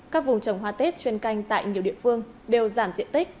các vùng trồng hoa tết chuyên canh tại nhiều địa phương đều giảm diện tích